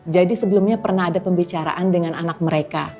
jadi sebelumnya pernah ada pembicaraan dengan anak mereka